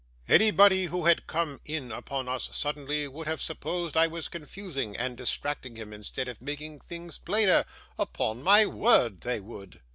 Anybody who had come in upon us suddenly, would have supposed I was confusing and distracting him instead of making things plainer; upon my word they would.